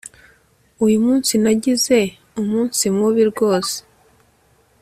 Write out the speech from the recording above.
Uyu munsi nagize umunsi mubi rwose